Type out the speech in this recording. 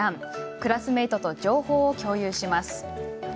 クラスメートと情報を共有します。